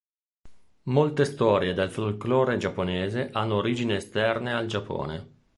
Molte storie del folclore giapponese hanno origini esterne al Giappone.